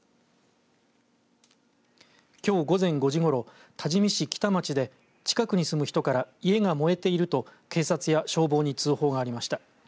きょう午前５時ごろ多治見市喜多町で近くに住む人から家が燃えていると警察や消防に通報がありました。